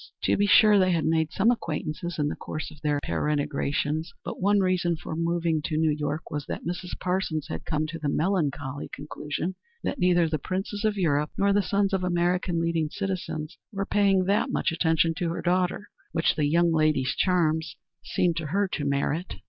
To be sure they had made some acquaintances in the course of their peregrinations, but one reason for moving to New York was that Mrs. Parsons had come to the melancholy conclusion that neither the princes of Europe nor the sons of American leading citizens were paying that attention to her daughter which the young lady's charms seemed to her to merit.